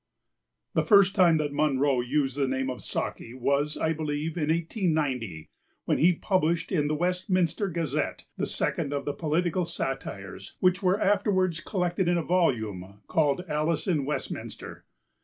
p. xThe first time that Munro used the name of Saki was, I believe, in 1890, when he published in the Westminster Gazette the second of the political satires, which were afterwards collected in a volume, called Alice in Westminster.